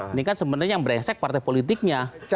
ini kan sebenarnya yang beresek partai politiknya